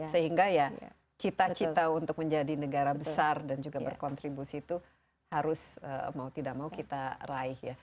sehingga ya cita cita untuk menjadi negara besar dan juga berkontribusi itu harus mau tidak mau kita raih ya